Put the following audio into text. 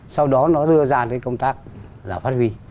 sau đó nó đưa ra cái công tác là phát huy